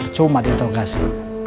tercuma di interlengasi